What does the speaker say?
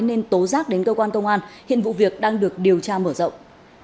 nên tố giác đến cơ quan công an hiện vụ việc đang được điều tra mở rộng